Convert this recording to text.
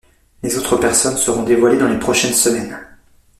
Les autres personnes seront dévoilées dans les prochaines semaines.